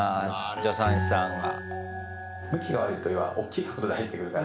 助産師さんが。